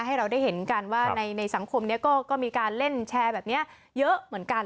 ให้เราได้เห็นกันว่าในสังคมนี้ก็มีการเล่นแชร์แบบนี้เยอะเหมือนกัน